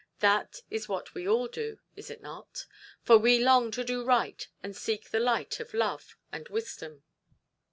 That is what we all do, is it not? for we long to do right and seek the light of love and wisdom.